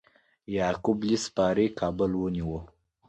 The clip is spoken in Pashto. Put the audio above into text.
یعقوب لیث صفاري کابل ونیو